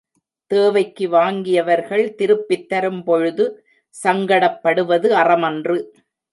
தேவைக்கு வாங்கியவர்கள், திருப்பித் தரும் பொழுது சங்கடப்படுவது அறமன்று.